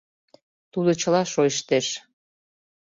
— Тудо чыла шойыштеш.